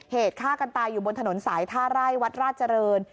เหตุฆ่ากันตายอยู่บนถนนสายท่าไร่วัดราชเจริญ